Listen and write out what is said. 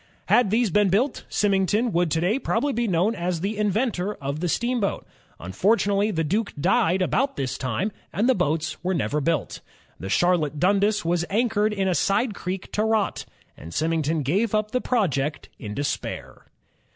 Had these been built, Symington would to day probably be known as the inventor of the steamboat. Unfortimately the Duke died about this time, and the boats were never built. The Charlotte Dundas was anchored in a side creek to rot, and Symington gave up the project in despair.